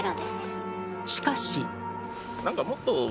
しかし。